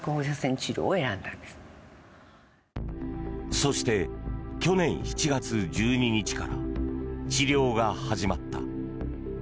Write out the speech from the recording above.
そして、去年７月１２日から治療が始まった。